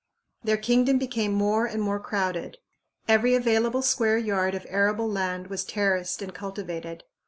Their kingdom became more and more crowded. Every available square yard of arable land was terraced and cultivated.